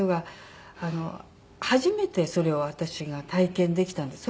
初めてそれを私が体験できたんです。